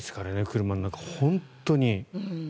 車の中、本当に。